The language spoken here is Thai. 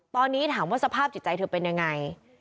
ตอนนี้ถามว่าสภาพจิตใจเธอเป็นยังไง